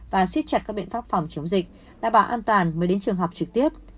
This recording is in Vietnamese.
và xiết chặt các biện pháp phòng chống dịch đảm bảo an toàn mới đến trường học trực tiếp